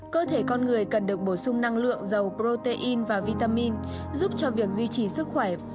cơ thể con người cần được bổ sung năng lượng dầu protein và vitamin giúp cho việc duy trì sức khỏe